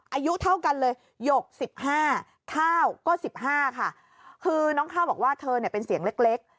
อายุเท่ากันเลยหยก๑๕ข้าวก็๑๕ค่ะคือน้องข้าวบอกว่าเธอเนี่ยเป็นเสียงเล็ก